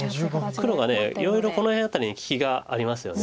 黒がいろいろこの辺あたりに利きがありますよね。